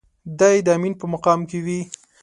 دی يې د امين په مقام کې وي.